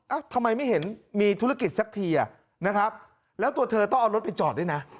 ทำไมไม่เห็นมีธุรกิจสักทีอ่ะนะครับแล้วตัวเธอต้องเอารถไปจอดด้วยนะ